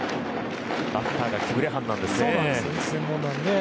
バッターがキブレハンなんですよね。